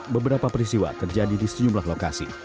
beberapa peristiwa terjadi di sejumlah lokasi